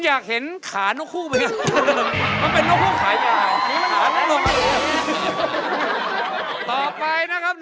สักอะไรเยอะแยะไปหรือครับ